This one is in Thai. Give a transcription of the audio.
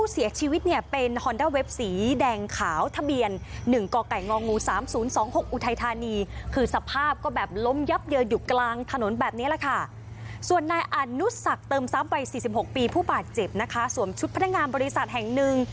ส่วนนายอนุสักเติมทรัพย์วัย๔๖ปีผู้บาดเจ็บนะคะสวมชุดพนักงานบริษัทแห่งหนึ่ง